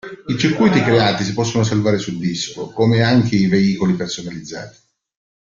I circuiti creati si possono salvare su disco, come anche i veicoli personalizzati.